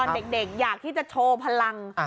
เด็กอยากที่จะโชว์พลัง